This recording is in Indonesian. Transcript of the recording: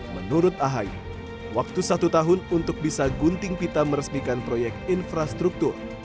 menurut ahy waktu satu tahun untuk bisa gunting pita meresmikan proyek infrastruktur